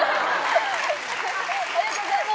ありがとうございます。